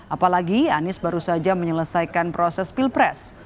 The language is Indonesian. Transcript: apalagi anies baru saja menyelesaikan proses pilpres